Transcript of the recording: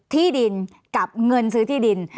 ที่ดินกับเงินซื้อที่ดิน